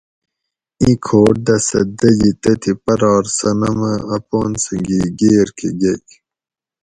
ایں کھوٹ دہ سہ دجی تتھیں پرار صنم ھہ اپان سہ گی گیر کہ گۤئ